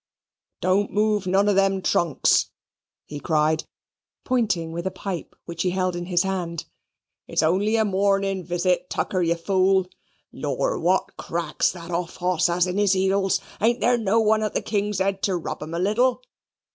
"Don't move none of them trunks," he cried, pointing with a pipe which he held in his hand. "It's only a morning visit, Tucker, you fool. Lor, what cracks that off hoss has in his heels! Ain't there no one at the King's Head to rub 'em a little?